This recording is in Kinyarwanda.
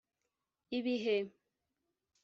ibihe